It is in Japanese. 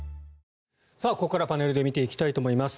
ここからはパネルで見ていきたいと思います。